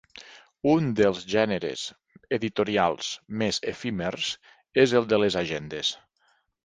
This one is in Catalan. Un dels gèneres editorials més efímers és el de les agendes.